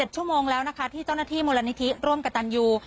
ชั่วโมงแล้วนะคะที่เจ้าหน้าที่มูลนิธิร่วมกับตันยู